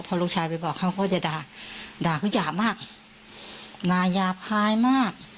พอลูกชายไปบอกเค้าก็จะด่าด่าก็หยาบมากนายหยาบหายมาก